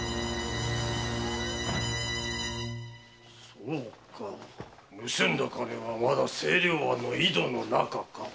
そうか盗んだ金はまだ清涼庵の井戸の中か。